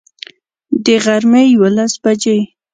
د غرمي یوولس بجي